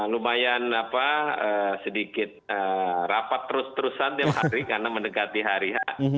lumayan sedikit rapat terus terusan tiap hari karena mendekati hari h